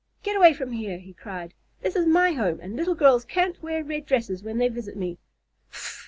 "Get away from here!" he cried. "This is my home and little girls can't wear red dresses when they visit me.